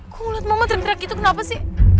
kok liat mama teriak teriak gitu kenapa sih